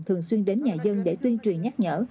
thường xuyên đến nhà dân để tuyên truyền nhắc nhở